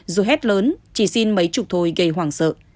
dù hết lớn chỉ xin mấy chục thôi gây hoảng sợ